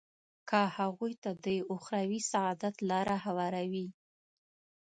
که هغوی ته د اخروي سعادت لاره هواروي.